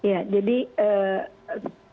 apa yang anda lakukan pada saat itu